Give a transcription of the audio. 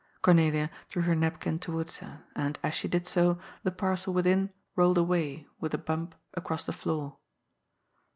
Cornelia drew her napkin towards her, and, as she did so, the parcel within rolled away, with a bump, across the floor.